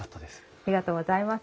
ありがとうございます。